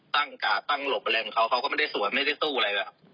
ตั้งกาตั้งหลบอะไรอย่างนี้เขาก็ไม่ได้สวนไม่ได้สู้อะไรแบบนี้